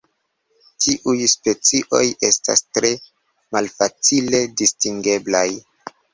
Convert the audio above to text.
Tiuj specioj estas tre malfacile distingeblaj.